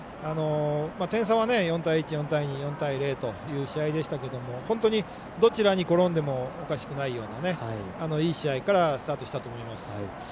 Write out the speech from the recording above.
点差は４対１、４対２４対０という試合でしたけど本当にどちらに転んでもおかしくないようないい試合からスタートしたと思います。